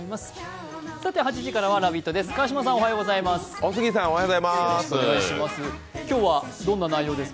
８時からは「ラヴィット！」です。